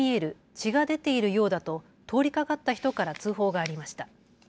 血が出ているようだと通りかかった人から通報がありました。